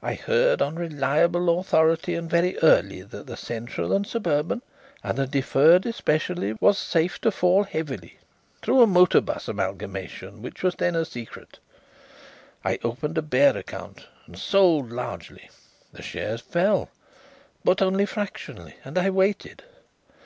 I heard on reliable authority, and very early, that the Central and Suburban, and the Deferred especially, was safe to fall heavily, through a motor bus amalgamation that was then a secret. I opened a bear account and sold largely. The shares fell, but only fractionally, and I waited.